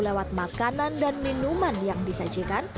lewat makanan dan minuman yang disajikan